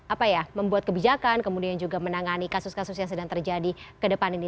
apa ya membuat kebijakan kemudian juga menangani kasus kasus yang sedang terjadi ke depan ini